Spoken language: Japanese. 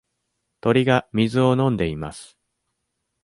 鳥が水を飲んでいます。